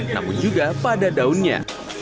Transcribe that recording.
namun juga pada daunnya